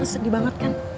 lo sedih banget kan